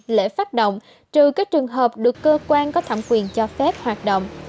lễ phát động trừ các trường hợp được cơ quan có thẩm quyền cho phép hoạt động